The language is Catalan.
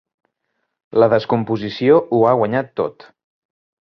La descomposició ho ha guanyat tot.